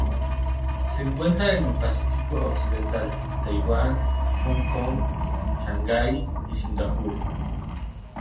Se encuentra en el Pacífico occidental: Taiwán, Hong Kong, Shanghái y Singapur.